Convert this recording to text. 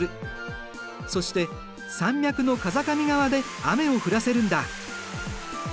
そして山脈の風上側で雨を降らせるんだ。